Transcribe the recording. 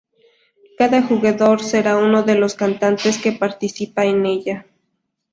Cada jugador será uno de los cantantes que participa en ella.